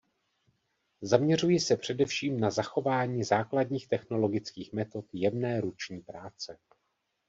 Zaměřují se především na zachování základních technologických metod jemné ruční práce.